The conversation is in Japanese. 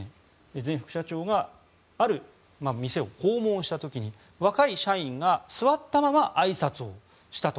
前副社長がある店を訪問した時に若い社員が座ったままあいさつをしたと。